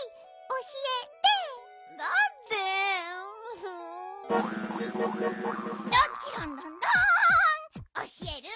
おしえる？